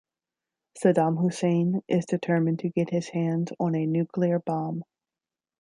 Saddam Hussein is determined to get his hands on a nuclear bomb.